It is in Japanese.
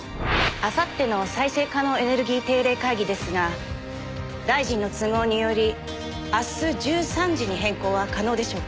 あさっての再生可能エネルギー定例会議ですが大臣の都合により明日１３時に変更は可能でしょうか？